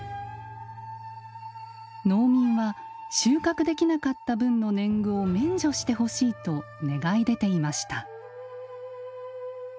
農民は収穫できなかった分の年貢を免除してほしいと願い出ていました。